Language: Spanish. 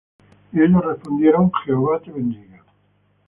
Y ellos respondieron: Jehová te bendiga.